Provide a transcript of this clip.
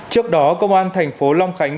trước đó công an thành phố long khánh